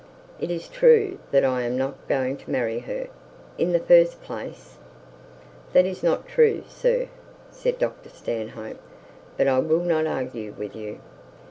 It is true that I am not going to marry her. In the first place ' 'That is not true, sir,' said Dr Stanhope; 'but I will not argue with you.'